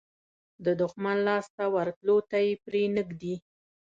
د دښمن لاس ته ورتلو ته یې پرې نه ږدي.